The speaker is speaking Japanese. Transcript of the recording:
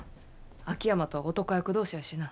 秋山とは男役同士やしな。